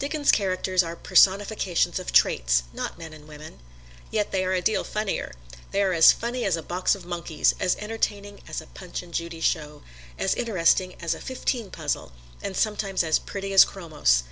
Dickens' characters are personifications of traits, not men and women. Yet they are a deal funnier they are as funny as a box of monkeys, as entertaining as a Punch and Judy show, as interesting as a "fifteen puzzle," and sometimes as pretty as chromos.